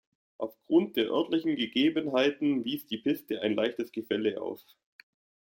Aufgrund der örtlichen Gegebenheiten wies die Piste ein leichtes Gefälle auf.